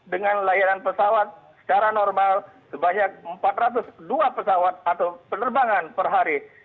dengan layanan pesawat secara normal sebanyak empat ratus dua pesawat atau penerbangan per hari